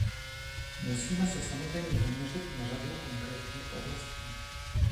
Musíme se samozřejmě zaměřit na řadu konkrétních oblastí.